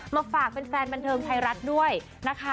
มาฝากแฟนบันเทิงไทยรัฐด้วยนะคะ